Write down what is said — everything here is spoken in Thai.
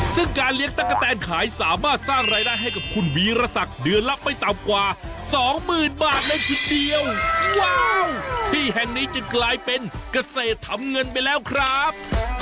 ซึ่งการเลี้ยงตะกะแตนขายสามารถสร้างรายได้ให้กับคุณวีรศักดิ์เดือนละไม่ต่ำกว่าสองหมื่นบาทเลยทีเดียวว้าวที่แห่งนี้จะกลายเป็นเกษตรทำเงินไปแล้วครับ